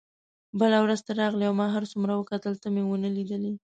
بله ورځ ته راغلې او ما هر څومره وکتل تا مې ونه لیدل.